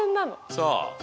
そう。